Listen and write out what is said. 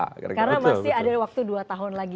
karena masih ada waktu dua tahun lagi